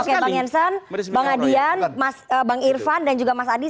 oke bang jansen bang adian bang irfan dan juga mas adi